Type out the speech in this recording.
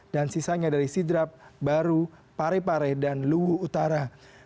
dan sisanya dari sidrap baru parepare dan luhu utara